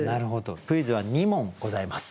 クイズは２問ございます。